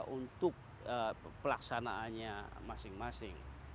untuk pelaksanaannya masing masing